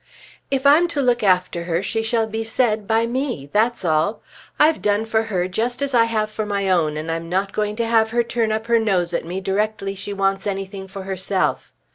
"If I'm to look after her she shall be said by me; that's all. I've done for her just as I have for my own and I'm not going to have her turn up her nose at me directly she wants anything for herself.